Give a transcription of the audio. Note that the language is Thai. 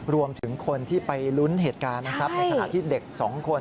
รวมถึงคนที่ไปลุ้นเหตุการณ์ในฐานะที่เด็กสองคน